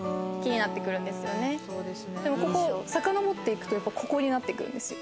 ここをさかのぼっていくとここになってくるんですよ。